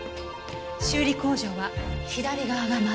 修理工場は左側が窓。